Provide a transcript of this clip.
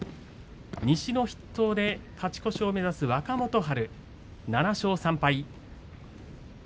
西の筆頭で勝ち越しを目指す若元春７勝３敗。